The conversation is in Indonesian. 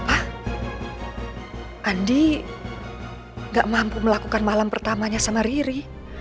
ah andi gak mampu melakukan malam pertamanya sama riri